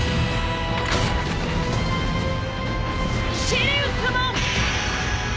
シリウスモン！